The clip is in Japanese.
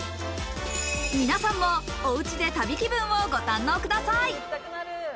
皆さんもおうちで旅気分をご堪能ください。